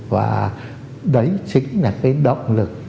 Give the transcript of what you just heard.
và đấy chính là cái động lực